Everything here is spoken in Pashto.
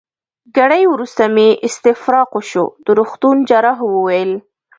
ګړی وروسته مې استفراق وشو، د روغتون جراح وویل.